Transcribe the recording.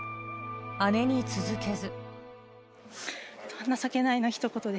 姉に続けず。